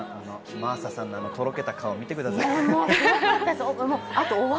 真麻さんのとろけた顔、見てください。